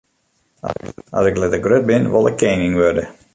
As ik letter grut bin, wol ik kening wurde.